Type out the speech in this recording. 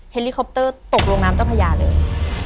เฮลิคอปเตอร์ตกลงน้ำเจ้าพญาเลย